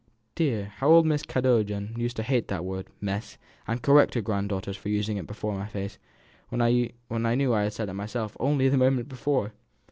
Dear! how old Mrs. Cadogan used to hate that word 'mess,' and correct her granddaughters for using it right before my face, when I knew I had said it myself only the moment before!